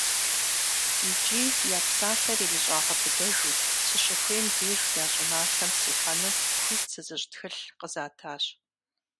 ИкӀи я псалъэр ирищӀагъэбыдэжу, сыщыхуейм деж я щӀыналъэм сихьэну хуит сызыщӀ тхылъ къызатащ.